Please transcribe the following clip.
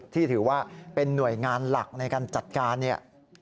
ที่ถือว่าเป็นหน่วยงานหลักในการจัดการเนี่ย